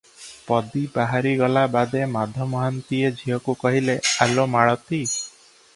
ପଦୀ ବାହାରି ଗଲା ବାଦେ ମାଧ ମହାନ୍ତିଏ ଝିଅକୁ କହିଲେ, "ଆଲୋ ମାଳତୀ!